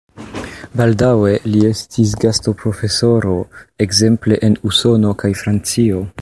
Baldaŭe li estis gastoprofesoro ekzemple en Usono kaj Francio.